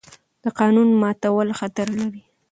د قانون ماتول خطر لري